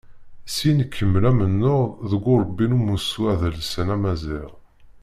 Syin ikemmel amennuɣ deg urebbi n umussu adelsan amaziɣ.